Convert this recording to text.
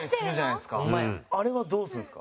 あれはどうするんですか？